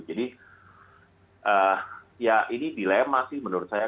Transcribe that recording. jadi ya ini dilema sih menurut saya